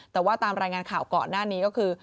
แต่ว่าตามรายงานข่าวก่อนหน้านี้ก็คือ